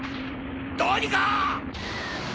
どうにか！